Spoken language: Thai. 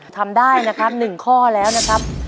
ทำได้นะครับ๑ข้อแล้วนะครับ